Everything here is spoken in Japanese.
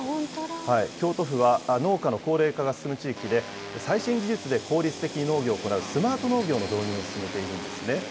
京都府は農家の高齢化が進む地域で、最新技術で効率的に農業を行うスマート農業の導入を進めているんですね。